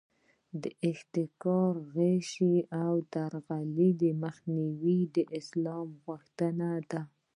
د احتکار، غش او درغلۍ مخنیوی د اسلام غوښتنه ده.